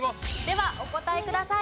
ではお答えください。